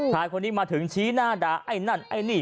ชายคนนี้มาถึงชี้หน้าด่าไอ้นั่นไอ้นี่